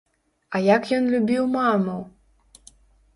А як ён любіў маму!